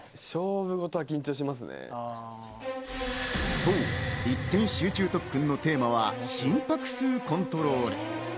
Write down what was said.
そう、一点集中特訓のテーマは心拍数コントロール。